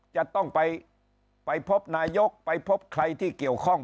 จะต้องไปพบนายกไปพบใครที่เกี่ยวข้อง